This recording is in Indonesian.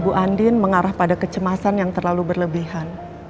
bu andin mengarah pada kecemasan yang terlalu berlebihan